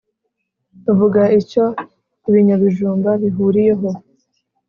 vuga icyo ibinyabijumba bihuriyeho